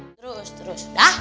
terus terus dah